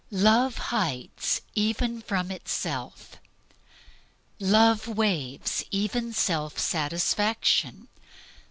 Love hides even from itself. Love waives even self satisfaction.